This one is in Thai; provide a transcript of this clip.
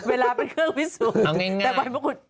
เครื่องพิสูจน์แต่ใบมะกรูด